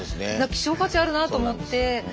希少価値あるなと思って。